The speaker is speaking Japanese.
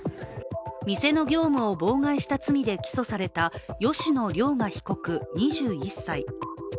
店の業務を妨害した罪で起訴された吉野凌雅被告、２１歳。